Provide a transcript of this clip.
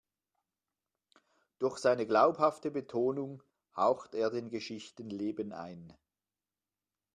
Durch seine glaubhafte Betonung haucht er den Geschichten Leben ein.